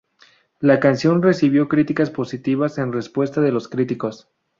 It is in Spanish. La canción recibió críticas positivas en respuesta de los críticos.